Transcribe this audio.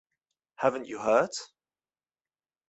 Haven't you heard?